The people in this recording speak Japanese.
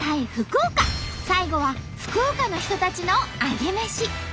最後は福岡の人たちのアゲメシ！